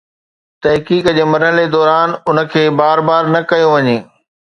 تحقيق جي مرحلي دوران ان کي بار بار نه ڪيو وڃي.